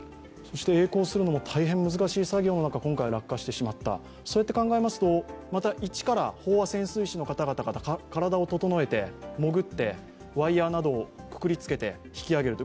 えい航するのも大変難しい作業の中、今回、落下してしまった、そうやって考えますと、また一から飽和潜水士の方が体を整えて潜って、ワイヤーなどをくくりつけて引き揚げる。